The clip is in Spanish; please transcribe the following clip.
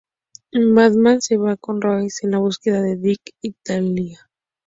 Batman se va con Ra's en la búsqueda de Dick y Talia.